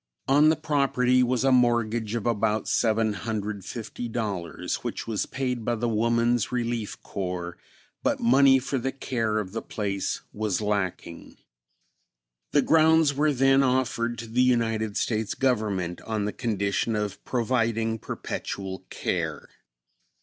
On the property was a mortgage of about $750, which was paid by the Woman's Relief Corps, but money for the care of the place was lacking. The grounds were then offered to the United States Government on the condition of providing perpetual care.